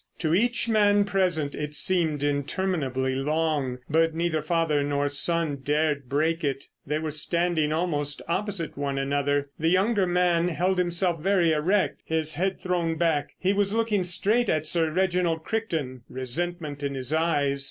To each man present it seemed interminably long, but neither father nor son dared break it. They were standing almost opposite one another. The younger man held himself very erect, his head thrown back; he was looking straight at Sir Reginald Crichton, resentment in his eyes.